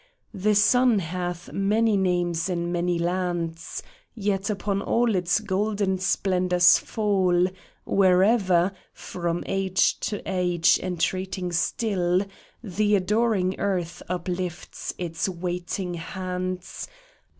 The sun hath many names in many lands ; Yet upon all its golden splendors fall, Where'er, from age to age entreating still, The adoring earth uplifts its waiting hands.